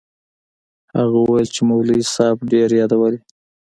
هغه وويل چې مولوي صاحب ډېر يادولې.